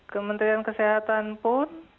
kementerian kesehatan pun